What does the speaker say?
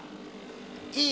いい？